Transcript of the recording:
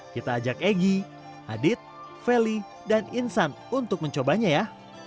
kita ajak egy adit feli dan insan untuk mencobanya ya